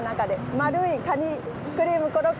まるいカニクリームコロッケ